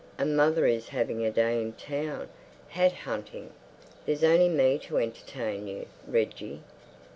And mother is having a day in town, hat hunting. There's only me to entertain you, Reggie."